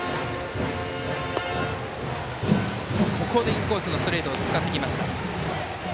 インコースのストレートを使ってきました。